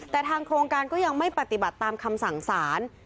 แต่ทางโครงการก็ยังไม่ปฏิบัติตามคำสั่งสาร